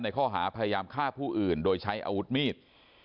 ข้อหาพยายามฆ่าผู้อื่นโดยใช้อาวุธมีด